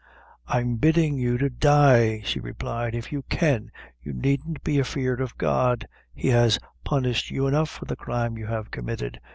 "I'm biddin' you to die," she replied, "if you can, you needn't be afeard of God he has punished you enough for the crime you have committed.